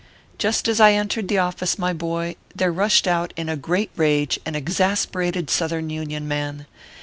Just as I entered the office, my boy, there rushed out in great rage an exasperated southern Union man.